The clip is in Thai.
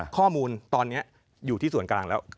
ข้อมูลตอนนี้อยู่ที่ส่วนกลางแล้ว